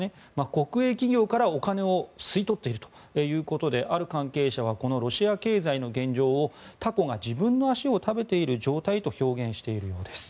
国営企業から、お金を吸い取っているということである関係者はこのロシア経済の現状をタコが自分の足を食べている状態と表現しているようです。